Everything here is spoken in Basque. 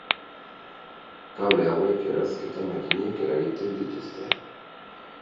Kable hauek erauzketa-makinek eragiten dituzte.